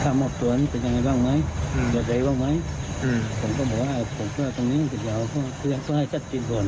ผมก็บอกว่าผมก็ตรงนี้สิ่งเดียวก็ให้ชัดจริงส่วน